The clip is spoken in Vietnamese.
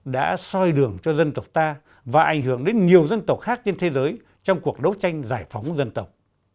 đã soi đường cho dân tộc ta và ảnh hưởng đến nhiều dân tộc khác trên thế giới trong cuộc đấu tranh giải phóng dân tộc